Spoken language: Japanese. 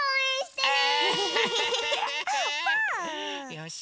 よし！